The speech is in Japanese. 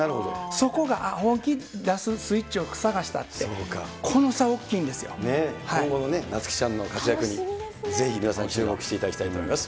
そこが、本気出すスイッチを探し今後のなつ希ちゃんの活躍にぜひ皆さん、注目していただきたいと思います。